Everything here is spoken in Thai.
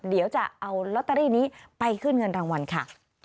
เดี๋ยวจะเอาลอตเตอรี่นี้ไปขึ้นเงินรางวัลค่ะ